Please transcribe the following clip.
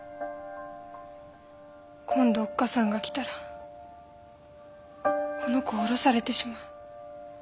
今度おっ母さんが来たらこの子を堕ろされてしまう。